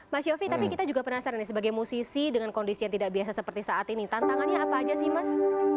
mas yofi tapi kita juga penasaran nih sebagai musisi dengan kondisi yang tidak biasa seperti saat ini tantangannya apa aja sih mas